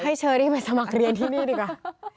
เชอรี่มาสมัครเรียนที่นี่ดีกว่า